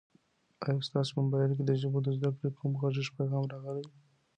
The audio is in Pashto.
ایا ستا په موبایل کي د ژبو د زده کړې کوم غږیز پیغام راغلی؟